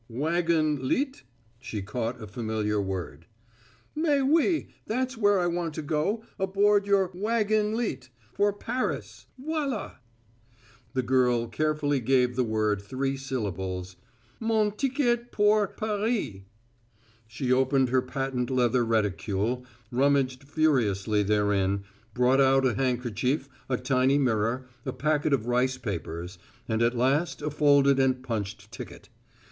"Wagon lit?" She caught a familiar word. "Mais oui; that's where I want to go aboard your wagon lit, for Paris. Voilà!" the girl carefully gave the word three syllables "mon ticket pour Paree!" She opened her patent leather reticule, rummaged furiously therein, brought out a handkerchief, a tiny mirror, a packet of rice papers, and at last a folded and punched ticket.